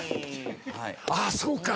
ああそうか！